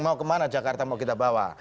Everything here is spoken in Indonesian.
mau kemana jakarta mau kita bawa